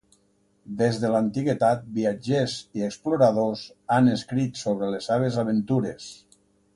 Des de l'antiguitat, viatgers i exploradors han escrit sobre les seves aventures.